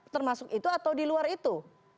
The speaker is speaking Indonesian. termasuk itu atau di luar itu